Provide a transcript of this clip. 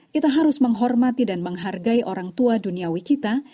kita harus menghormati dan menghargai orang tua duniawi kita